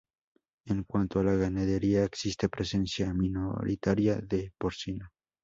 En cuanto a la ganadería, existe presencia minoritaria de porcino.